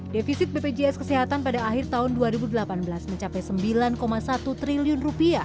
defisit bpjs kesehatan pada akhir tahun dua ribu delapan belas mencapai rp sembilan satu triliun